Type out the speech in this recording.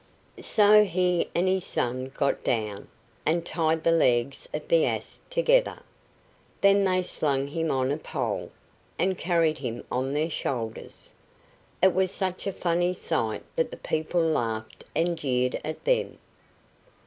So he and his son got down, and tied the legs of the ass together. Then they slung him on a pole, and carried him on their shoulders. It was such a funny sight that the people laughed and jeered at them.